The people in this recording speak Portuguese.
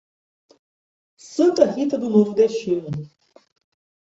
Santa Rita do Novo Destino